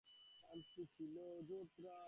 তিনি হযরত আলীর পক্ষ নিয়ে যুদ্ধ করেন।